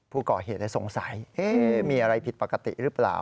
ผู้ก่อเหตุสงสัยมีอะไรผิดปกติหรือเปล่า